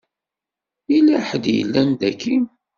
Yella ḥedd i yellan daki.